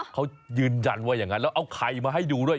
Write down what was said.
เขายืนยันว่าอย่างนั้นแล้วเอาไข่มาให้ดูด้วย